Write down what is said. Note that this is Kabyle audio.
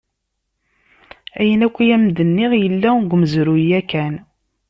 Ayen akk i d-am-nniɣ yella deg umezruy yakkan.